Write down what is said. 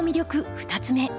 ２つ目。